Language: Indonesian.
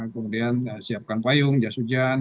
kemudian siapkan payung jas hujan